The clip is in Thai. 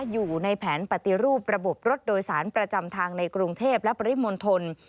อยู่ในแผนปฏิรูประบบรถโดยสารประจำทางในกรุงเทพและปริมณฑล